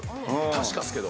確かっすけど。